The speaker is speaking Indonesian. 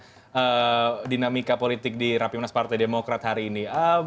mas hanta seperti apa melihat dinamika politik di rapi manas partai demokrat hari ini